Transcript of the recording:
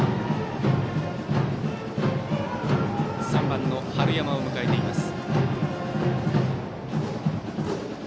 ３番、春山を迎えています。